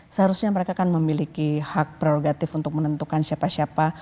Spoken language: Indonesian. seharusnya mereka kan memiliki hak prerogatif untuk menentukan siapa siapa